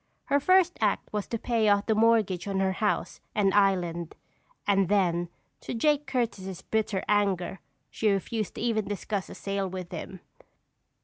Her first act was to pay off the mortgage on her house and island, and then, to Jake Curtis' bitter anger, she refused to even discuss a sale with him.